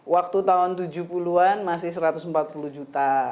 waktu tahun tujuh puluh an masih satu ratus empat puluh juta